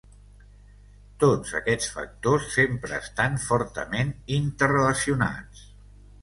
Tots aquests factors sempre estan fortament interrelacionats.